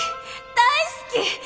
大好き！